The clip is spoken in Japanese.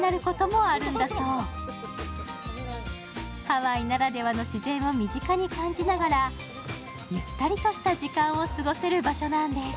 ハワイならではの自然を身近に感じながらゆったりとした時間を過ごせる場所なんです。